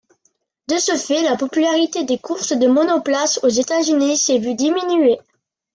De ce fait, la popularité des courses de monoplaces aux États-Unis s'est vue diminuée.